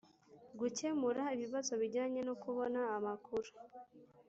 Gukemura ibibazo bijyanye no kubona amakuru